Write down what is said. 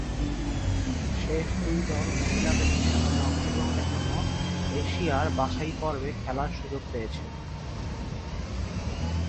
শেষ দুই দল মহিলাদের বিশ্বকাপে অংশগ্রহণের জন্য এশিয়ার বাছাইপর্বে খেলার সুযোগ পেয়েছে।